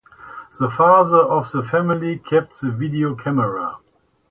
The father of the family kept the video camera.